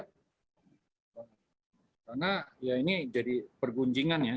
karena ya ini jadi pergunjingan ya